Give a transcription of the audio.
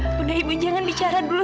sudah ibu jangan bicara dulu